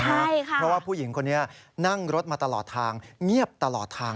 เพราะว่าผู้หญิงคนนี้นั่งรถมาตลอดทางเงียบตลอดทาง